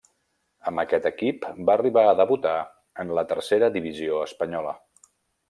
Amb aquest equip va arribar a debutar en la Tercera divisió espanyola.